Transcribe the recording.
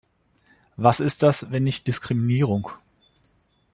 Was ist das, wenn nicht Diskriminierung?!